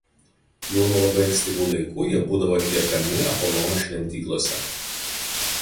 Jau nuo labai ankstyvų laikų jie būdavo atliekami Apolono šventyklose.